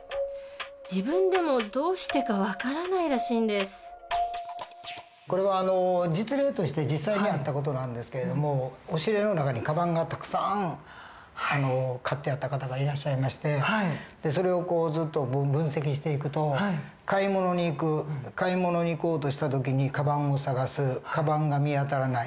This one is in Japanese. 自分でもどうしてか分からないらしいんですこれは実例として実際にあった事なんですけれども押し入れの中にカバンがたくさん買ってあった方がいらっしゃいましてそれをずっと分析していくと買い物に行く買い物に行こうとした時にカバンを捜すカバンが見当たらない。